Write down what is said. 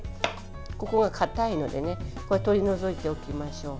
ここがかたいので取り除いておきましょう。